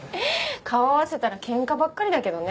顔合わせたら喧嘩ばっかりだけどね。